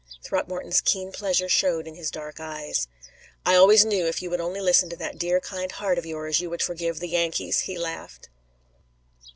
Throckmorton's keen pleasure showed in his dark eyes. "I always knew, if you would only listen to that dear, kind heart of yours, you would forgive the Yankees," he laughed.